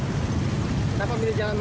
gak takut warna kecil bahaya